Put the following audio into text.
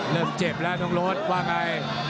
เริ่มเจ็บแล้วน้องรถว่าไง